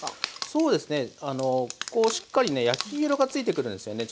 そうですねあのこうしっかりね焼き色がついてくるんですよね